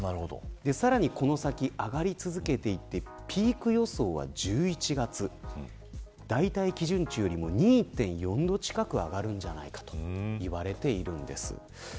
さらにこの先上がり続けていってピーク予想は１１月だいたい基準値よりも２．４度近く上がるんじゃないかといわれているんです。